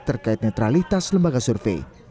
terkait netralitas lembaga survei